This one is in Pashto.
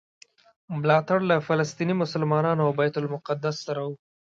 ملاتړ له فلسطیني مسلمانانو او بیت المقدس سره و.